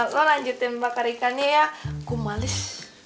lo lanjutin bakar ikannya ya gue malis